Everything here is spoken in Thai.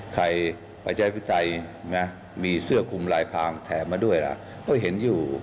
ประชาธิปไตยนะมีเสื้อคุมลายพางแถมมาด้วยล่ะก็เห็นอยู่